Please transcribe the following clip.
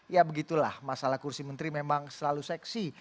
ya begitulah masalah kursi menteri memang selalu seksi